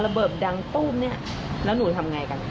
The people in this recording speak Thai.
เบิกดังตู้มเนี่ยแล้วหนูทำไงกัน